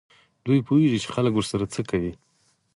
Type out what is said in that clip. دوی پوهېږي چې خلک ورسره څه کوي.